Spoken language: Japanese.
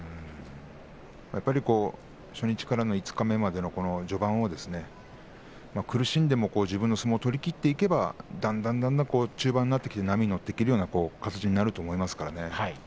やっぱり初日から五日目までの序盤を苦しんでも自分の相撲を取りきっていけばだんだんだんだん中盤になって波に乗っていく形になると思いますからね。